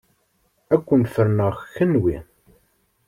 Ad ken-ferneɣ kenwi!